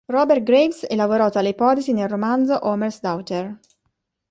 Robert Graves elaborò tale ipotesi nel romanzo "Homer's Daughter".